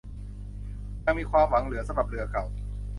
ยังมีความหวังเหลือสำหรับเรือเก่า